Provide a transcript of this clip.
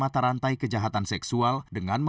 tapi pemuda yang pendiam